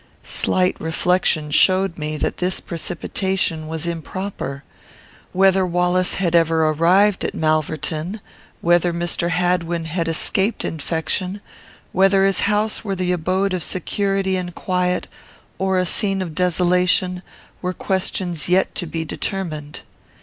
Slight reflection showed me that this precipitation was improper. Whether Wallace had ever arrived at Malverton, whether Mr. Hadwin had escaped infection, whether his house were the abode of security and quiet, or a scene of desolation, were questions yet to be determined.